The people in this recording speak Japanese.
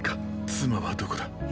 妻はどこだ。